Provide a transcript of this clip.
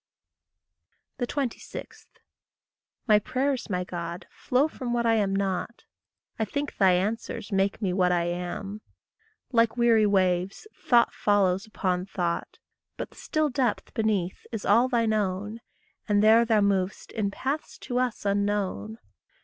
26. My prayers, my God, flow from what I am not; I think thy answers make me what I am. Like weary waves thought follows upon thought, But the still depth beneath is all thine own, And there thou mov'st in paths to us unknown.